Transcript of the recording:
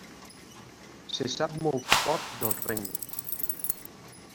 Se sap molt poc del regne.